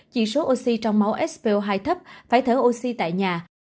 chỉ số oxy trong máu so hai thấp phải thở oxy tại nhà